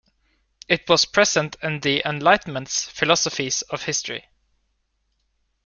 It was present in the Enlightenment's philosophies of history.